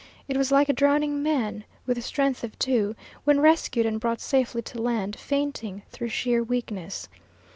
It was like a drowning man with the strength of two when rescued and brought safely to land, fainting through sheer weakness.